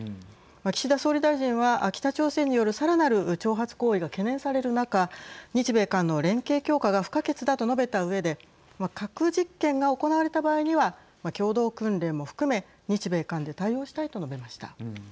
岸田総理大臣は、北朝鮮によるさらなる挑発行為が懸念される中日米韓の連携強化が不可欠だと述べたうえで核実験が行われた場合には共同訓練も含め日米韓で対応したいと述べました。